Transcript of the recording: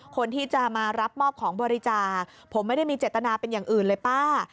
คนที่จะมารับมอบของบริจาคผมไม่ได้มีเจตนาเป็นอย่างอื่นเลยป้า